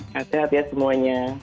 sehat sehat ya semuanya